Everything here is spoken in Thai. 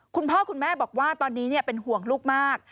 คุณพ่อคุณแม่บอกว่าตอนนี้เป็นห่วงลูกมาก